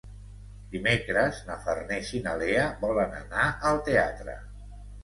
Dimecres na Farners i na Lea volen anar al teatre.